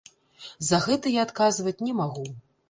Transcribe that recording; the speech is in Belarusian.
За гэта я адказваць не магу.